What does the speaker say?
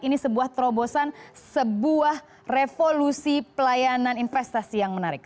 ini sebuah terobosan sebuah revolusi pelayanan investasi yang menarik